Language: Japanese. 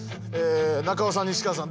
中尾さん西川さん